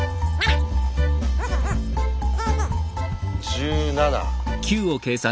１７。